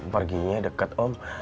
perginya deket om